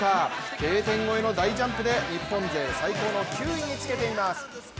Ｋ点越えの大ジャンプで日本勢最高の９位につけています。